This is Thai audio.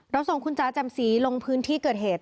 เราส่งคุณจ้าจำซีลงพื้นที่เกิดเหตุ